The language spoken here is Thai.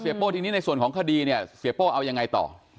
โป้ทีนี้ในส่วนของคดีเนี่ยเสียโป้เอายังไงต่อ